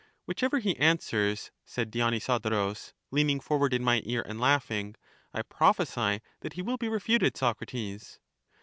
Whichever he answers, said Dionysodorus, leaning forward in my ear and laughing, I prophesy that he will be refuted, Socrates.